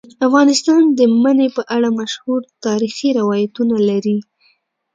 افغانستان د منی په اړه مشهور تاریخی روایتونه لري.